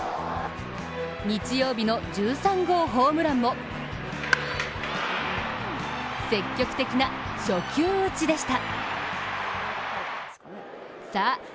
日曜日の１３号ホームランも積極的な初級打ちでした。